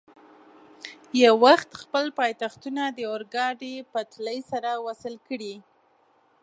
یو وخت خپل پایتختونه د اورګاډي پټلۍ سره وصل کړي.